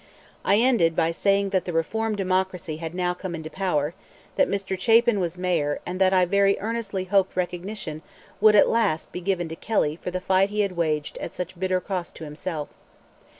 I ended by saying that the reform Democracy had now come into power, that Mr. Chapin was Mayor, and that I very earnestly hoped recognition would at last be given to Kelly for the fight he had waged at such bitter cost to himself.